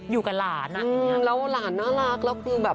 อยู่กับหลานอ่ะจริงแล้วหลานน่ารักแล้วคือแบบ